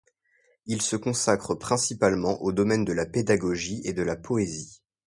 Il se consacre principalement aux domaines de la pédagogie et de la poésie.